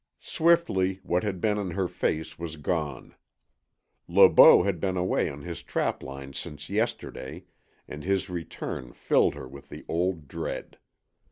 Swiftly what had been in her face was gone. Le Beau had been away on his trapline since yesterday, and his return filled her with the old dread.